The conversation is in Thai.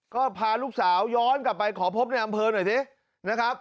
ก็พาลูกสาวย้อนกลับไปขอพบในอำเภอหน่อยสินะครับ